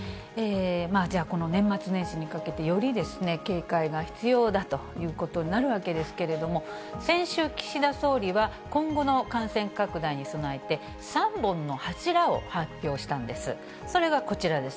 じゃあ、この年末年始にかけて、より警戒が必要だということになるわけですけれども、先週、岸田総理は今後の感染拡大に備えて、３本の柱を発表したんです。